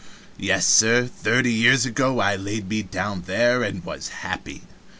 "Yes, sir, thirty years ago I laid me down there, and was happy.